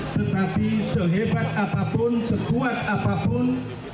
tetapi sehebat apapun sekuat apapun